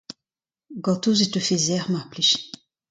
Gortoz e teufe sec'h, mar plij.